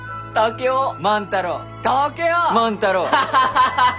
ハハハハハ！